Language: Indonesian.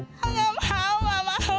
nggak mau amp paul